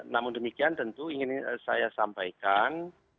namun demikian tentu ingin saya sampaikan